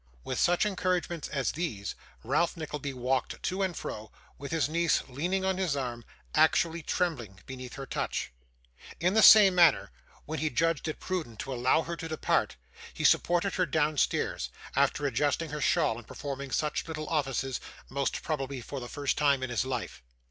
With such encouragements as these, Ralph Nickleby walked to and fro, with his niece leaning on his arm; actually trembling beneath her touch. In the same manner, when he judged it prudent to allow her to depart, he supported her downstairs, after adjusting her shawl and performing such little offices, most probably for the first time in his life.